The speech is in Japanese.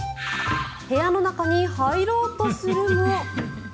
部屋の中に入ろうとするも。